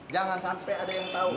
jangan sampai ada yang tahu